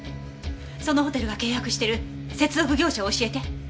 そのホテルが契約してる接続業者を教えて。